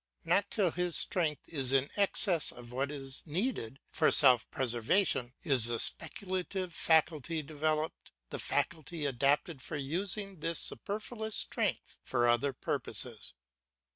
Not till his strength is in excess of what is needed for self preservation, is the speculative faculty developed, the faculty adapted for using this superfluous strength for other purposes.